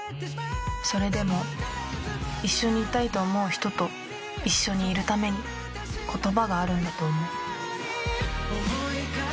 「それでも一緒にいたいと思う人と一緒にいるために言葉があるんだと思う」